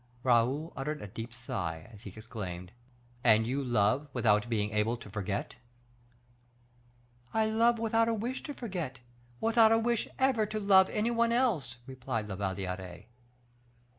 Raoul uttered a deep sigh, as he exclaimed, "And you love without being able to forget?" "I love without a wish to forget; without a wish ever to love any one else," replied La Valliere.